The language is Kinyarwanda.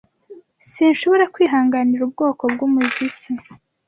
Sinshobora kwihanganira ubwoko bwumuziki.